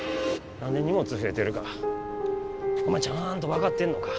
何で荷物増えてるかお前ちゃんと分かってんのか？